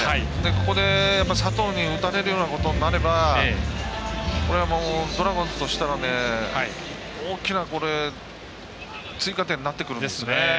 ここで、佐藤に打たれるようなことになればこれはドラゴンズとしたら大きな追加点になってくるんですね。